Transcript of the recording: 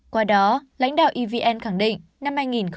qua đó lãnh đạo evn khẳng định